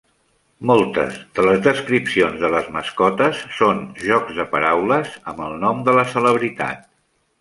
Moltes de les descripcions de les mascotes són jocs de paraules amb el nom de la celebritat.